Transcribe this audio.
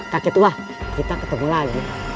kakek wah kita ketemu lagi